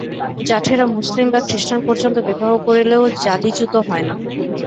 জাঠেরা মুসলমান বা খ্রীষ্টান পর্যন্ত বিবাহ করিলেও জাতিচ্যুত হয় না।